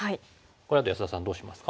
これだと安田さんどうしますか？